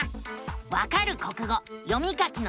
「わかる国語読み書きのツボ」。